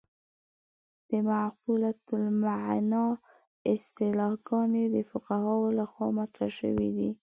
د معقولة المعنی اصطلاحګانې د فقهاوو له خوا مطرح شوې دي.